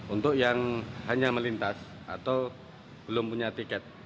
untuk yang hanya melintas atau belum punya tiket